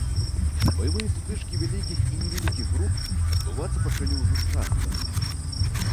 Баявыя сутычкі вялікіх і невялікіх груп адбывацца пачалі ўжо часта.